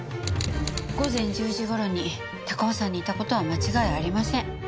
午前１０時頃に高尾山にいた事は間違いありません。